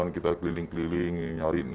kita keliling keliling mencari